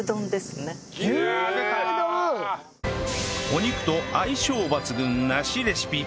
お肉と相性抜群梨レシピ